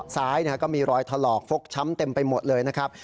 ซ้ายก็มีรอยถลอกฟกช้ำเต็มไปหมดเลยนะครับ